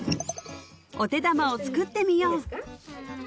お手玉を作ってみよう！